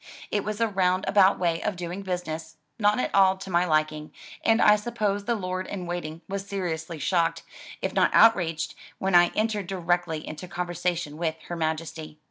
It was a round about way of doing business, not at all to my liking, and I suppose the Lord in Waiting was seriously shocked, if not outraged, when I entered directly into conversation with Her Majesty.